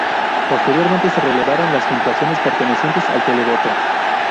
Posteriormente, se revelaron las puntuaciones pertenecientes al televoto.